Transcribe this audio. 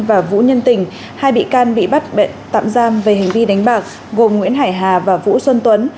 và vũ nhân tình hai bị can bị bắt tạm giam về hành vi đánh bạc gồm nguyễn hải hà và vũ xuân tuấn